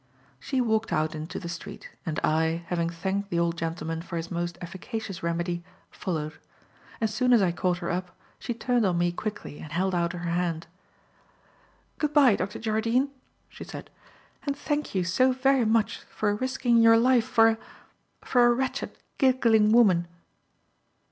She walked out into the street, and I, having thanked the old gentleman for his most efficacious remedy, followed. As soon as I caught her up, she turned on me quickly and held out her hand. "Good bye, Dr. Jardine," she said, "and thank you so very much for risking your life for a for a wretched giggling woman."